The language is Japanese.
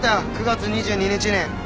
９月２２日に。